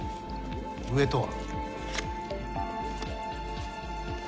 上とは？